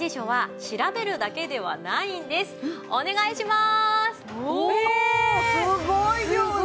すごい量の。